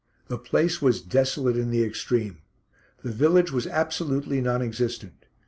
The place was desolate in the extreme. The village was absolutely non existent.